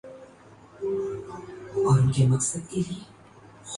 یہ کتاب کب تک واپس کرنی ہے؟